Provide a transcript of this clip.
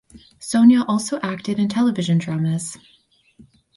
Sonia also acted in television dramas.